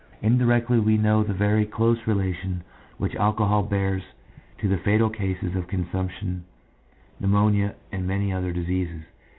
Indirectly we know the very close relation which alcohol bears to fatal cases of consumption, pneu monia, and many other diseases.